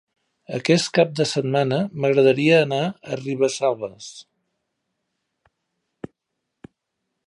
Aquest cap de setmana m'agradaria anar a Ribesalbes.